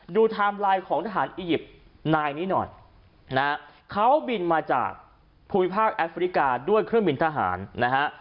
ไทม์ไลน์ของทหารอียิปต์นายนี้หน่อยนะฮะเขาบินมาจากภูมิภาคแอฟริกาด้วยเครื่องบินทหารนะฮะ